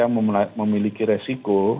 yang memiliki resiko